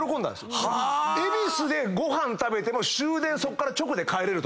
恵比寿でご飯食べても終電そっから直で帰れる。